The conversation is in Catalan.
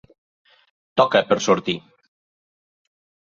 Toca per sortir.